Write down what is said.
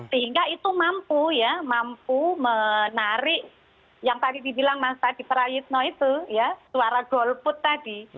sehingga itu mampu menarik yang tadi dibilang mas adi feraitno itu suara golput tadi